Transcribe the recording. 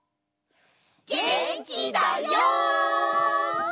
げんきだよ！